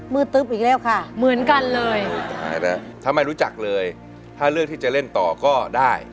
ตึ๊บอีกแล้วค่ะเหมือนกันเลยถ้าไม่รู้จักเลยถ้าเลือกที่จะเล่นต่อก็ได้